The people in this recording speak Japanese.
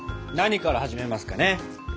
何から始めますかね？